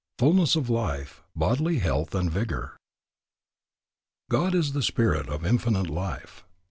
FULLNESS OF LIFE BODILY HEALTH AND VIGOR. God is the Spirit of Infinite Life.